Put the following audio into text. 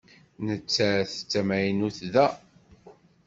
Nettat d tamaynut da.